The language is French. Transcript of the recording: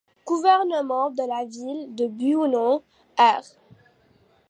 Gouvernement de la ville de Buenos Aires.